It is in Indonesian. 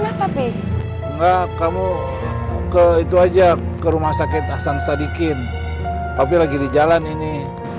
ngapain nggak kamu ke itu aja ke rumah sakit asam sadikin tapi lagi di jalan ini